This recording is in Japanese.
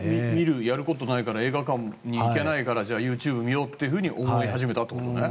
やることないから映画館に行けないからじゃあＹｏｕＴｕｂｅ見ようと思い始めたってことね。